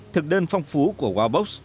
thực đơn phong phú của wabox